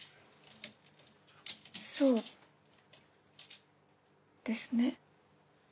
そうですね。